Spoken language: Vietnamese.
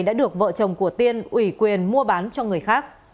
lô đất này đã được vợ chồng của tiên ủy quyền mua bán cho người khác